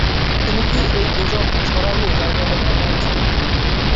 তুমি কি ওই গুজব ছড়াওনি যার কারণে দাঙ্গা হয়েছিল?